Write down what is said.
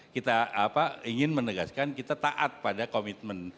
kita ingin menegaskan kita taat pada komitmen